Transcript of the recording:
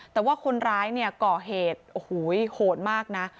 แต่ว่าคนร้ายเนี่ยก่อเหตุโอ้โหโหดมากนะ